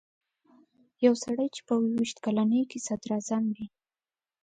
یو سړی چې په اووه ویشت کلنۍ کې صدراعظم وي.